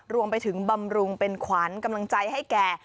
รวมไปถึงบำรุงเป็นขวานกำลังใจให้แก่